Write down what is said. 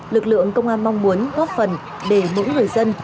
lực lượng công an mong muốn góp phần để mỗi người dân